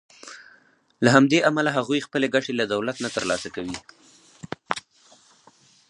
له همدې امله هغوی خپلې ګټې له دولت نه تر لاسه کوي.